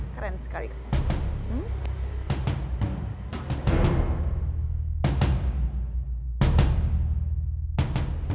keren sekali kamu